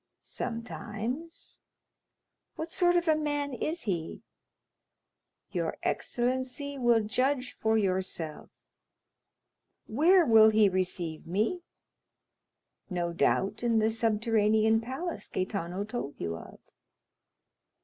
"Sometimes." "What sort of a man is he?" "Your excellency will judge for yourself." "Where will he receive me?" "No doubt in the subterranean palace Gaetano told you of."